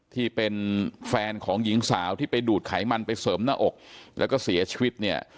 ที่เป็นแฟนของหญิงสาวที่ไปดูดไขมันไปเสริมหน้าอกแล้วก็เสียชีวิตเนี่ย